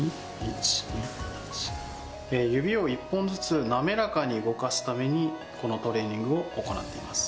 指を１本ずつ滑らかに動かすためにこのトレーニングを行っています。